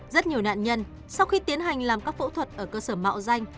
rất nhiều nạn nhân sau khi tiến hành làm các phẫu thuật ở cơ sở mạo danh